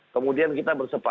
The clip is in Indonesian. kemudian kita berkata